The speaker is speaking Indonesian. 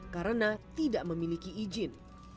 karena tidak memiliki izin